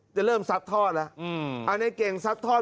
จะเริ่มซัดทอดละอันนี้เก่งซัดทอด